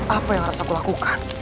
apa yang harus aku lakukan